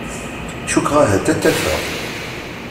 Cukkeɣ ahat ad t-afeɣ